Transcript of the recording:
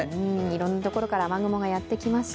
いろんなところから雨雲がやってきます。